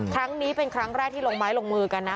ครั้งนี้เป็นครั้งแรกที่ลงไม้ลงมือกันนะ